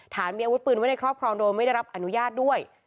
มีอาวุธปืนไว้ในครอบครองโดยไม่ได้รับอนุญาตด้วย